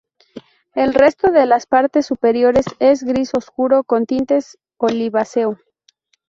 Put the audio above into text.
El resto de las partes superiores es gris obscuro con tintes oliváceo.